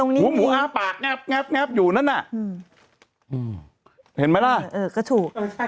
หูหมูอ้าปากแงบอยู่นั่นน่ะเห็นไหมล่ะเออก็ถูก